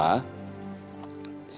siapa pengen jemput